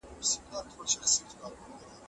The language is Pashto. هر څېړونکی باید خپلي پایلي پخپله وسنجوي.